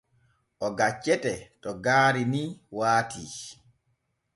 O gaccete to gaari ni waati.